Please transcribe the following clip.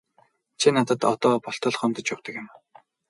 Чи надад одоо болтол гомдож явдаг юм уу?